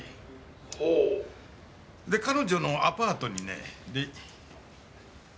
「ほう」で彼女のアパートにね。